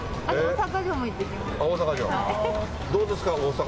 どうですか？